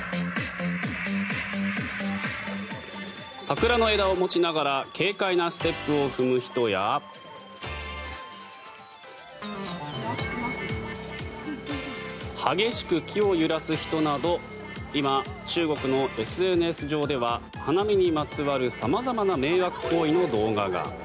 桜の枝を持ちながら軽快なステップを踏む人や激しく木を揺らす人など今、中国のＳＮＳ上では花見にまつわる様々な迷惑行為の動画が。